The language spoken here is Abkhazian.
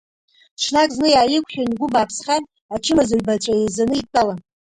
Ҽнак зны иааиқәшәан, игәы бааԥсхан, ачымазаҩбацәа еизаны идтәалан.